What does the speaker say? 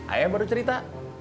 ayah baru cerita